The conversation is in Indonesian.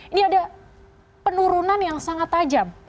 ini ada penurunan yang sangat tajam